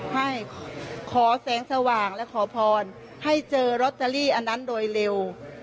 ให้ขอแสงสว่างและขอพรให้เจอลอตเตอรี่อันนั้นโดยเร็ว